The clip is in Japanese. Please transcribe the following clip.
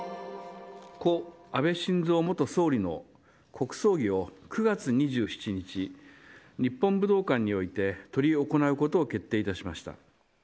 故・安倍晋三元総理の国葬儀を９月２７日、日本武道館において執り行うことを決定いたしました。